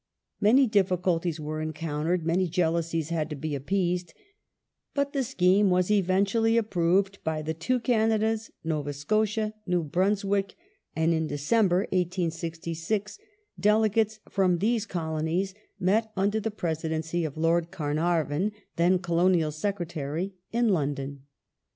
Many difficulties were encountered, many jealousies had to be appeased, but the scheme was eventually approved by the two Canadas, Nova Scotia, New Brunswick ; and in December, 1866, delegates from these Colonies met under the Presidency of Lord Carnarvon — then Colonial Secretary — in London.